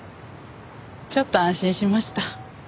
ちょっと安心しました。